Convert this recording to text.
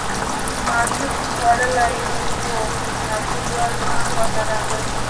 ما شوک خوړلی و او کلیوال زما خواته راغلل